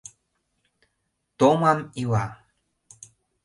Томам ила.